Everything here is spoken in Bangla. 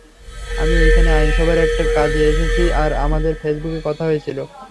আমি এখানে আইনসভার একটা কাজে এসেছি, আর আমাদের ফেসবুকে কথা হয়েছিল।